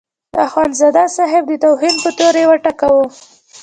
د اخندزاده صاحب د توهین په تور یې وټکاوه.